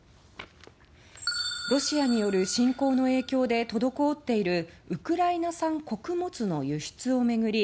ロシアによる侵攻の影響で滞っているウクライナ産穀物の輸出を巡り